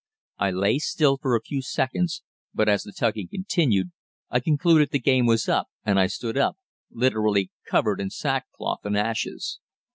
I lay still for a few seconds, but as the tugging continued, I concluded the game was up and I stood up, literally covered in sackcloth and ashes.